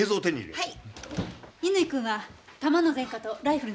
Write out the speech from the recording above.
はい。